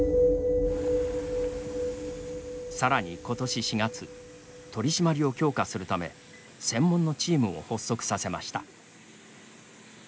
さらに、ことし４月取り締まりを強化するため専門のチームを発足させました。